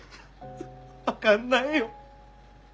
分かんないよ。